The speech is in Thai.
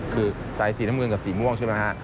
คือสายสีน้ำเงินกับสีม่วงใช่ไหมฮะ